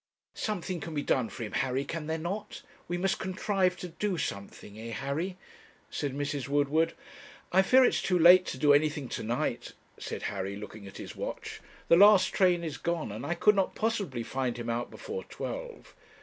'Something can be done for him, Harry, can there not? We must contrive to do something eh, Harry?' said Mrs. Woodward. 'I fear it is too late to do anything to night,' said Harry, looking at his watch. 'The last train is gone, and I could not possibly find him out before twelve.'